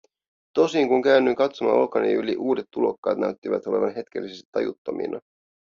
Tosin, kun käännyin katsomaan olkani yli, uudet tulokkaat näyttivät olevan hetkellisesti tajuttomina.